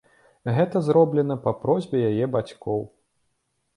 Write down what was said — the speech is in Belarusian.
Гэта зроблена па просьбе яе бацькоў.